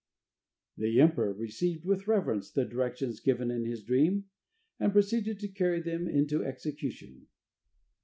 The emperor received with reverence the directions given in his dream, and proceeded to carry them into execution.